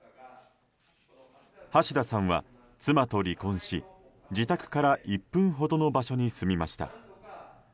橋田さんは妻と離婚し、自宅から１分ほどの場所に住みました。